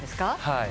はい。